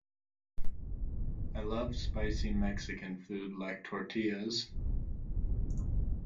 I love spicy Mexican food like tortillas.